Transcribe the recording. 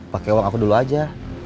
pakai uang aku dulu aja